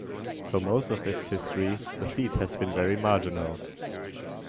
For most of its history, the seat has been very marginal.